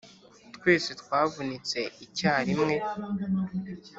twese twavunitse icyari mwe